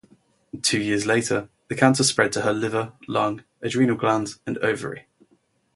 Two years later, the cancer spread to her liver, lung, adrenal glands, and ovary.